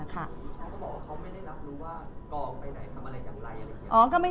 เขาก็บอกว่าเขาไม่ได้รับรู้ว่ากล่อออกไปไหนทำอะไรอย่างไร